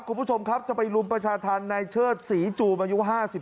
คุณผู้ชมครับจะไปรุมประชาธรรมในเชิดศรีจูมอายุ๕๓